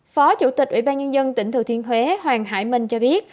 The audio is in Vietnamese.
phó chủ tịch ủy ban nhân dân tỉnh thừa thiên huế hoàng hải minh cho biết